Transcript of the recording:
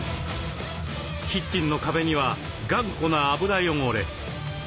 キッチンの壁には頑固な油汚れ。